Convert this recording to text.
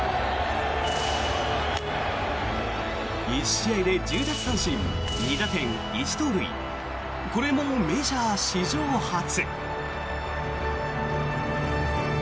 １試合で１０奪三振２打点１盗塁これもメジャー史上初。